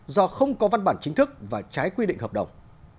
do không có văn bản chính thức và trái quy định hợp đồng